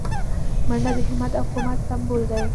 منډه د همت او قوت سمبول دی